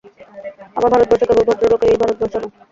আমার ভারতবর্ষ কেবল ভদ্রলোকেরই ভারতবর্ষ নয়।